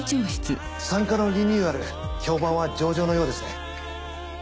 産科のリニューアル評判は上々のようですね。